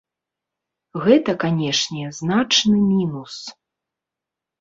Гэта, канешне, значны мінус.